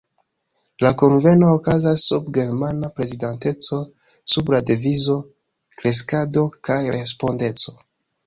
La kunveno okazas sub germana prezidanteco sub la devizo „kreskado kaj respondeco“.